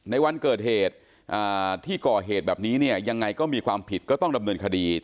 ในวันเกิดเหตุที่ก่อเหตุแบบนี้เนี่ยยังไงก็มีความผิดก็ต้องดำเนินคดี